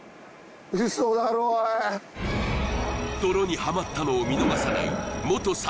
泥にはまったのを見逃さない元侍